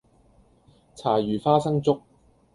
柴魚花生粥